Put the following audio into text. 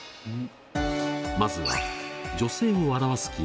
まずは女性を表す記号。